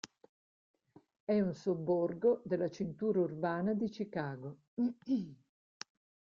È un sobborgo della cintura urbana di Chicago.